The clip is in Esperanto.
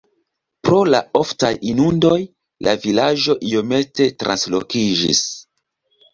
Pro la oftaj inundoj la vilaĝo iomete translokiĝis.